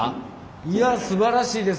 いやすばらしいです。